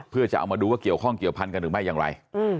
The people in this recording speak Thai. เพื่อจะเอามาดูว่าเกี่ยวข้องเกี่ยวพันกันหรือไม่อย่างไร